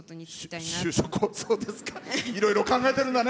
いろいろ考えてるんだね。